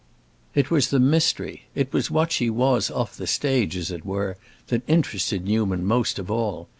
It was the mystery—it was what she was off the stage, as it were—that interested Newman most of all.